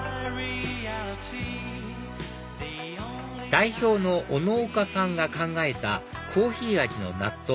代表の小野岡さんが考えたコーヒー味の納豆